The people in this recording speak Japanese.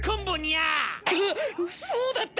あっそうだった！